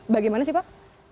bagaimana sih pak